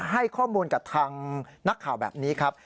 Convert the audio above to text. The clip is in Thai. ให้ข้อมูลกับทางนักข่าวแบบนี้ครับ